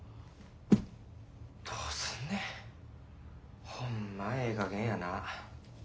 どうすんねんホンマええかげんやな。